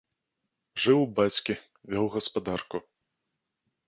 Жыў у бацькі, вёў гаспадарку.